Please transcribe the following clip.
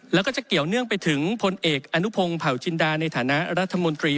แล้วก็จะเกี่ยวเนื่องไปถึงพลเอกอนุพงศ์เผาจินดาในฐานะรัฐมนตรี